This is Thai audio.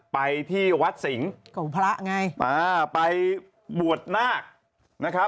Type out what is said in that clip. ไปที่วัดศิงร์ไปบวชนาก